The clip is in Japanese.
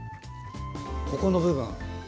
ここの部分。